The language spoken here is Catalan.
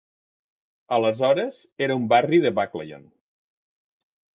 Aleshores, era un barri de Baclayon.